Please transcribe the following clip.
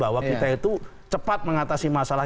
bahwa kita itu cepat mengatasi masalah